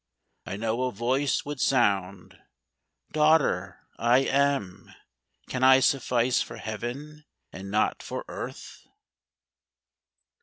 I know a Voice would sound, " Daughter, I AM. Can I suffice for Heaven, and not for earth